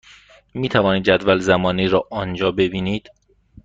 می توانید جدول زمانی را آنجا ببینید.